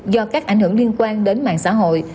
do các ảnh hưởng liên quan đến mạng xã hội